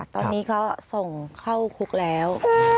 ตอนนี้ก็ส่งเข้าคุกแล้ว